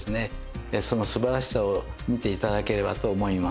その素晴らしさを見て頂ければと思います。